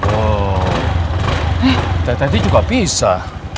oh tadi tadi juga bisa